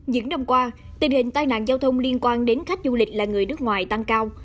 những năm qua tình hình tai nạn giao thông liên quan đến khách du lịch là người nước ngoài tăng cao